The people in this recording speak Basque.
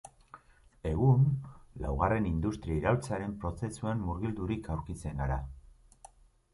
Egun, laugarren industria iraultzaren prozesuan murgildurik aurkitzen gara.